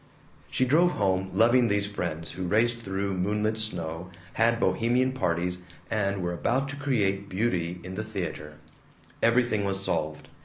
She drove home loving these friends who raced through moonlit snow, had Bohemian parties, and were about to create beauty in the theater. Everything was solved.